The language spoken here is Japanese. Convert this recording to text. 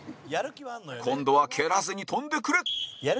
今度は蹴らずに跳んでくれ山崎：